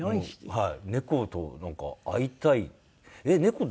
はい。